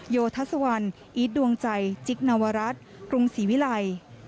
โยทัสวัลอีดวงใจจิ๊กนวรัสรุงศรีวิไล